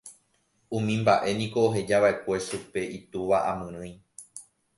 Umi mba'e niko ohejava'ekue chupe itúva amyrỹi.